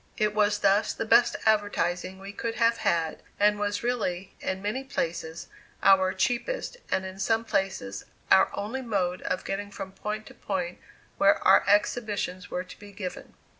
It was thus the best advertising we could have had, and was really, in many places, our cheapest and in some places, our only mode of getting from point to point where our exhibitions were to be given.